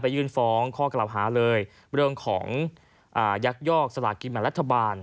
ยื่นฟ้องข้อกล่าวหาเลยเรื่องของยักยอกสลากินแบ่งรัฐบาล